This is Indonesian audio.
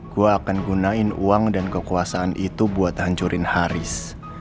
gue akan gunain uang dan kekuasaan itu buat hancurin haris